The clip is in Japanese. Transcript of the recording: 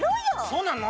そうなの？